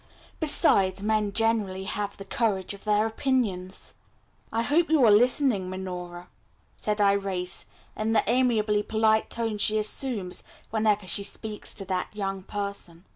Besides, men generally have the courage of their opinions." "I hope you are listening, Miss Minora," said Irais in the amiably polite tone she assumes whenever she speaks to that young person.